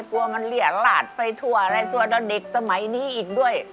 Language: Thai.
กลัวมันเหลี่ยหลานไปทั่วอะไรทั่วแล้วเด็กสมัยนี้อีกด้วย